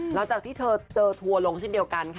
หลังจากที่เธอเจอทัวร์ลงเช่นเดียวกันค่ะ